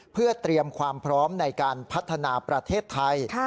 เพื่อเตรียมความพร้อมในการพัฒนาประเทศไทย